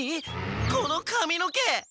この髪の毛。